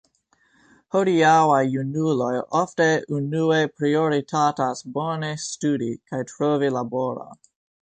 Hodiaŭaj junuloj ofte unue prioritatas bone studi kaj trovi laboron.